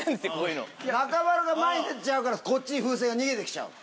中丸が前に出ちゃうからこっちに風船が逃げて来ちゃう。